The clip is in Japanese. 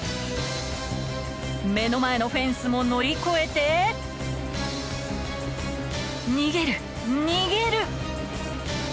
目の前のフェンスも乗り越えて逃げる逃げる！